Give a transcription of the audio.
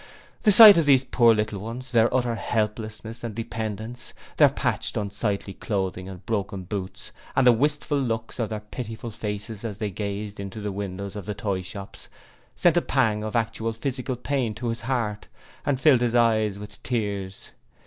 The sight of these poor little ones, their utter helplessness and dependence, their patched unsightly clothing and broken boots, and the wistful looks on their pitiful faces as they gazed into the windows of the toy shops, sent a pang of actual physical pain to his heart and filled his eyes with tears.